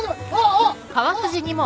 あっ！